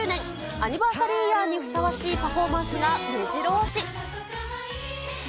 アニバーサリーイヤーにふさわしいパフォーマンスがめじろ押し。